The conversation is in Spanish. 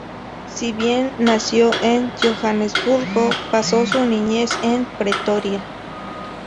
Si bien nació en Johannesburgo, pasó su niñez en Pretoria.